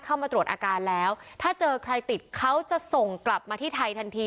เข้ามาตรวจอาการแล้วถ้าเจอใครติดเขาจะส่งกลับมาที่ไทยทันที